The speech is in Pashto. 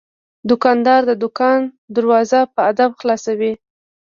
دوکاندار د دوکان دروازه په ادب خلاصوي.